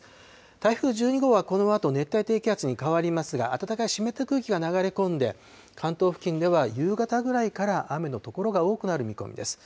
台風１２号はこのあと熱帯低気圧に変わりますが、暖かく湿った空気が流れ込んで、関東付近では夕方ぐらいから雨の所が多くなる見込みです。